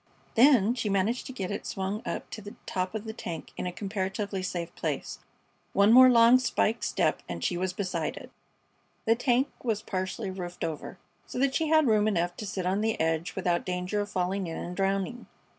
Then she managed to get it swung up to the top of the tank in a comparatively safe place. One more long spike step and she was beside it. The tank was partly roofed over, so that she had room enough to sit on the edge without danger of falling in and drowning.